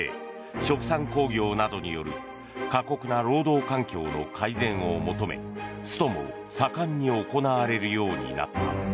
殖産興業などによる過酷な労働環境の改善を求めストも盛んに行われるようになった。